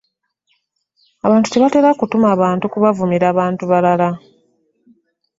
Abantu tebatera kutuma bantu kubavumira bantu balala .